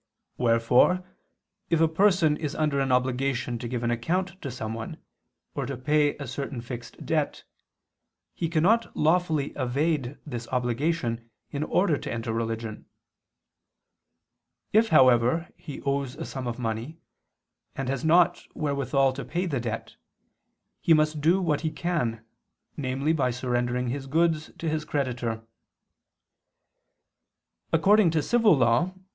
Wherefore if a person is under an obligation to give an account to someone or to pay a certain fixed debt, he cannot lawfully evade this obligation in order to enter religion. If, however, he owes a sum of money, and has not wherewithal to pay the debt, he must do what he can, namely by surrendering his goods to his creditor. According to civil law [*Cod.